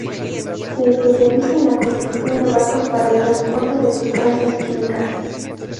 Se especializa en la construcción de barcos para el transporte de sustancias químicas.